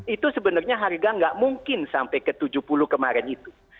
itu sebenarnya harga nggak mungkin sampai ke tujuh puluh kemarin itu